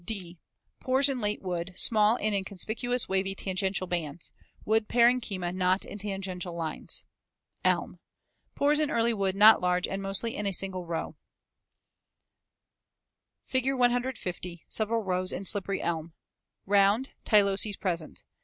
(d) Pores in late wood small and in conspicuous wavy tangential bands. Wood parenchyma not in tangential lines. Elm. Pores in early wood not large and mostly in a single row, Fig. 150 (several rows in slippery elm), round, tyloses present.